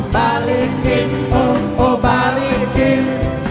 balikin oh oh balikin